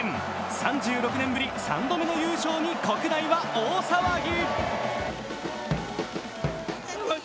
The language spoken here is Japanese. ３６年ぶり３度目の優勝に、国内は大騒ぎ。